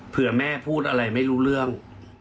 เผื่อแม่พูดอะไรไม่รู้เรื่อง